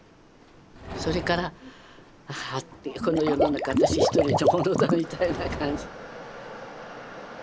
それからはあこの世の中私一人のものだみたいな感じ。